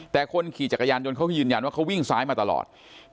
แต่คนขี่จักรยานยนต์เขาก็ยืนยันว่าเขาวิ่งซ้ายมาตลอด